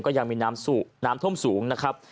ก็ยังมีน้ำท่วมสูงนะครับ